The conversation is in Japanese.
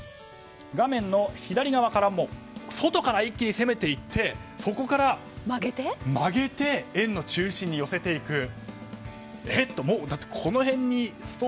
画面の左側の外から一気に攻めていってそこから曲げて円の中心に寄せていく。